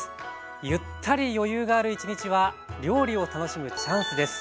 ゆったり余裕がある一日は料理を楽しむチャンスです。